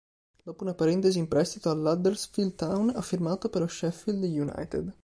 Dopo una parentesi in prestito all'Huddersfield Town, ha firmato per lo Sheffield United.